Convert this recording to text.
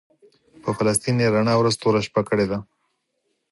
په فلسطین یې رڼا ورځ توره شپه کړې ده.